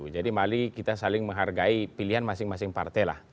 jadi malah kita saling menghargai pilihan masing masing partai lah